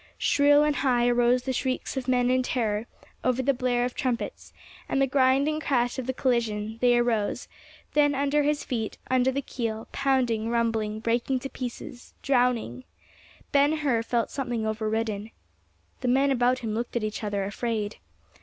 Shrill and high arose the shrieks of men in terror; over the blare of trumpets, and the grind and crash of the collision, they arose; then under his feet, under the keel, pounding, rumbling, breaking to pieces, drowning, Ben Hur felt something overridden. The men about him looked at each other afraid.